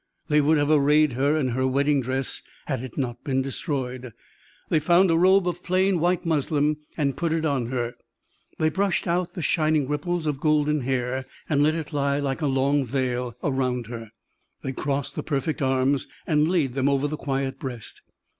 They would have arrayed her in her wedding dress had it not been destroyed. They found a robe of plain white muslin, and put it on her: they brushed out the shining ripples of golden hair, and let it lie like a long veil around her; they crossed the perfect arms, and laid them over the quiet breast.